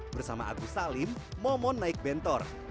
bersama agus salim momon naik bentor